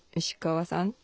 石川さん。